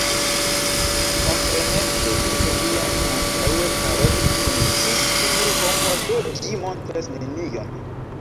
Kompreneble, mi neniam antaŭe parolis kun ĉi tiu homo do ĝi montras nenion